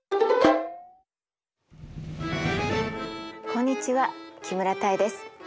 こんにちは木村多江です。